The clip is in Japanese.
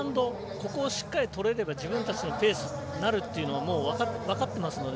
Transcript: ここをしっかり取れれば自分たちのペースになるともう分かってますので。